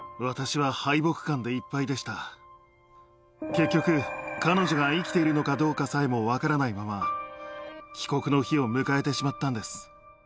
結局彼女が生きているのかどうかさえも分からないまま帰国の日を迎えてしまったんです。